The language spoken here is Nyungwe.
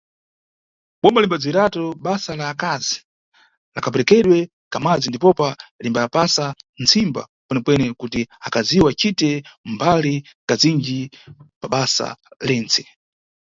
Boma limbadziwiratu basa lá akazi pa kaperekedwe ka madzi ndipopa limbapasa ntsimba kwenekwene kuti akaziwo acite mbali kazinji pabasa lentse.